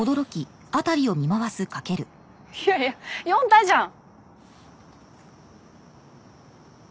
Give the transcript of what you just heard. いやいや呼んだじゃん。